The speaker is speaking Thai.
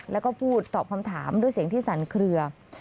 แล้วก็พูดตอบคำถามด้วยเสียงที่สั่นเคลือ